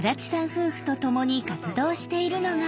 夫婦と共に活動しているのが。